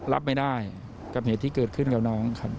รับไม่ได้กับเหตุที่เกิดขึ้นกับน้องครับ